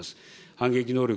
反撃能力